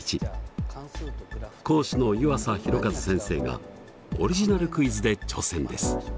講師の湯浅弘一先生がオリジナルクイズで挑戦です。